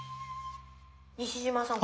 西島さん